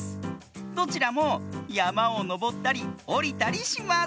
どちらもやまをのぼったりおりたりします。